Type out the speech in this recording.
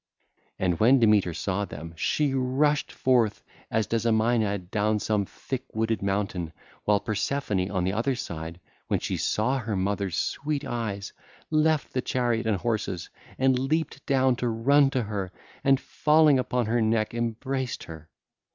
(ll. 384 404) And when Demeter saw them, she rushed forth as does a Maenad down some thick wooded mountain, while Persephone on the other side, when she saw her mother's sweet eyes, left the chariot and horses, and leaped down to run to her, and falling upon her neck, embraced her.